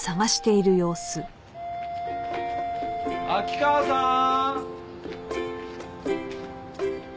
秋川さん？